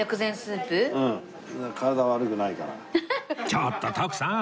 ちょっと徳さん！